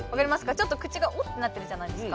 ちょっと口がオッとなってるじゃないですか。